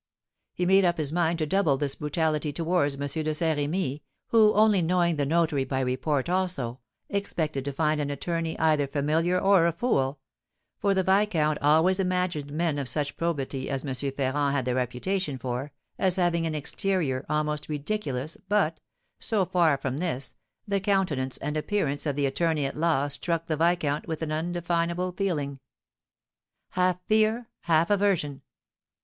He made up his mind to double this brutality towards M. de Saint Remy, who, only knowing the notary by report also, expected to find an attorney either familiar or a fool; for the viscount always imagined men of such probity as M. Ferrand had the reputation for, as having an exterior almost ridiculous, but, so far from this, the countenance and appearance of the attorney at law struck the viscount with an undefinable feeling, half fear, half aversion.